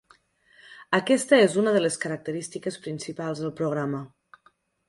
Aquesta és una de les característiques principals del programa.